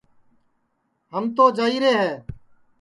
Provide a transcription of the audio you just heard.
ہم تو جائیرے ہے